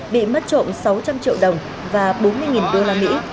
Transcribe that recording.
bị mất trộm sáu trăm linh triệu đồng và bốn mươi đô la mỹ